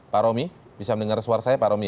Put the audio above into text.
pak romi bisa mendengar suara saya pak romi